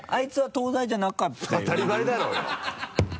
当たり前だろうよ。